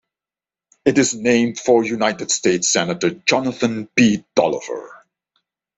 It is named for United States Senator Jonathan P. Dolliver.